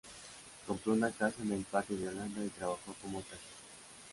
Compró una casa en el Parque de Holanda, y trabajó como taxista.